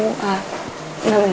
nangis masalah dulu ya